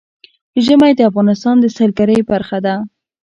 ژمی د افغانستان د سیلګرۍ برخه ده.